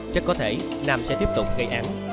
chắc có thể nam sẽ tiếp tục gây án